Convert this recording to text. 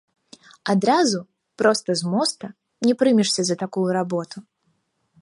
Адразу, проста з моста, не прымешся за такую работу.